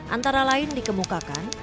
antara lain dikemukakan